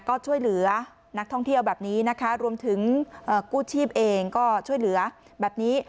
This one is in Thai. ก็ช่วยเหลือนักท่องเที่ยวแบบนี้นะคะรวมถึงกู้ชีพเองก็ช่วยเหลือแบบนี้